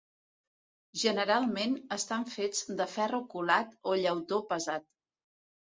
Generalment, estan fets de ferro colat o llautó pesat.